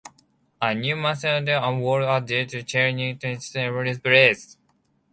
A new masonry wall was added, and the chain-link fencing was also replaced.